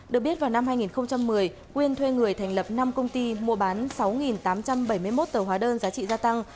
được biết vào năm hai nghìn một mươi quyên thuê người thành lập năm công ty mua bán sáu tám trăm bảy mươi một tờ hóa đơn giá trị gia tăng